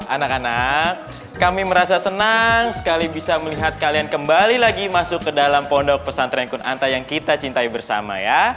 anak anak kami merasa senang sekali bisa melihat kalian kembali lagi masuk ke dalam pondok pesantren kunta yang kita cintai bersama ya